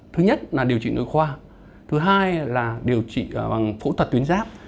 thứ nhất là điều trị nội khoa thứ hai là điều trị bằng phẫu thuật tuyến giáp